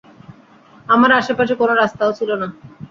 আমার আশেপাশে কোন রাস্তাও ছিল না।